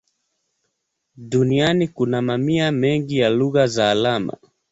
Duniani kuna mamia mengi ya lugha za alama.